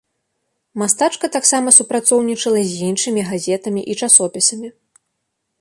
Мастачка таксама супрацоўнічала з іншымі газетамі і часопісамі.